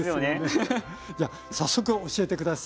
じゃあ早速教えて下さい。